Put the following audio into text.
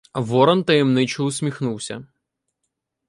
Ворон таємничо усміхнувся.